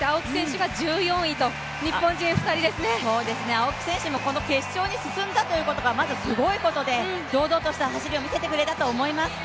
青木選手も、この決勝に進んだということがすごいことで、堂々とした走りを見せてくれたと思います。